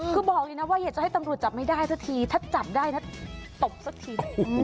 คือบอกเลยนะว่าอยากจะให้ตำรวจจับไม่ได้สักทีถ้าจับได้นะตบสักที